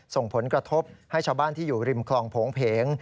ส่งผลกระทบให้ชาวบ้านที่อยู่ริมคลองโผงเพง